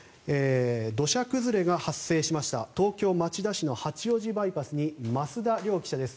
土砂崩れが発生しました東京・町田市の八王子バイパスに増田亮央記者です。